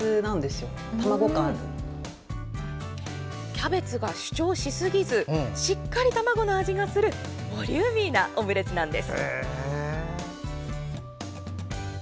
キャベツが主張しすぎずしっかり卵の味がするボリューミーなオムレツなんです。